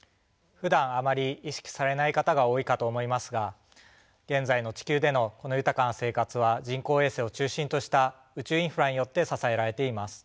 ふだんあまり意識されない方が多いかと思いますが現在の地球でのこの豊かな生活は人工衛星を中心とした宇宙インフラによって支えられています。